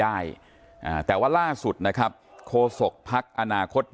เพื่อยุดยั้งการสืบทอดอำนาจของขอสอชอและยังพร้อมจะเป็นนายกรัฐมนตรี